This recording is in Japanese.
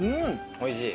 おいしい？